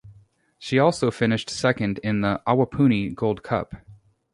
She also finished second in the Awapuni Gold Cup.